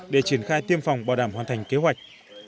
để triển khai tiêm phòng bảo đảm hoàn thành kế hoạch